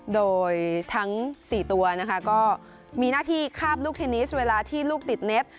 โดยทั้ง๔ตัวนะคะก็มีหน้าที่คาบลูกเทนนิสเวลาที่ลูกติดเน็ต